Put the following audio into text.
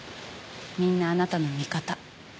みんなあなたの味方。